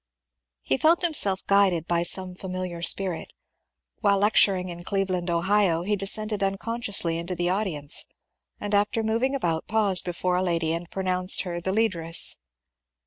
He felt himself guided by some &miliar spirit. While lec turing in Cleveland, Ohio, he descended unconsciously into the audience, and after moving about paused before a lady and pronounced her the ^^ Leaderess."